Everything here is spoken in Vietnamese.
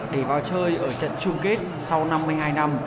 để vào chơi ở trận chung kết sau năm mươi hai năm